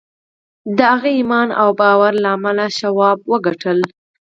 د هغه ایمان او باور له امله شواب وګټل